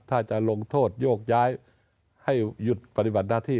ถ้าจะลงโทษโยกย้ายให้หยุดปฏิบัติหน้าที่